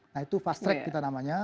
nah itu fast track kita namanya